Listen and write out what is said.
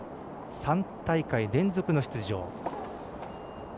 ３大会連続の出場。